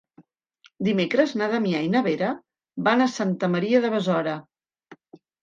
Dimecres na Damià i na Vera van a Santa Maria de Besora.